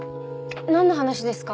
なんの話ですか？